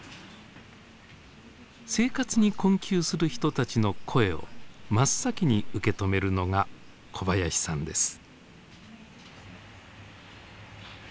生活に困窮する人たちの声を真っ先に受け止めるのが小林さんです。